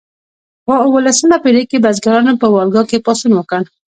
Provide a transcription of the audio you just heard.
په اوولسمه پیړۍ کې بزګرانو په والګا کې پاڅون وکړ.